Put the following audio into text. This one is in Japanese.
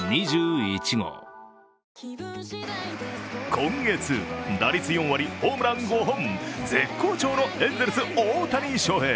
今月、打率４割、ホームラン５本、絶好調のエンゼルス・大谷翔平。